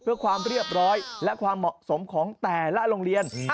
เพื่อความเรียบร้อยและความเหมาะสมของแต่ละโรงเรียน